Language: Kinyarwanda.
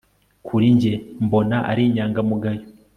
Kuri njye mbona ari inyangamugayo